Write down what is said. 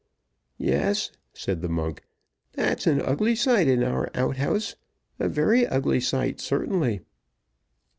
"Yes," said the monk, "that's an ugly sight in our outhouse a very ugly sight, certainly!"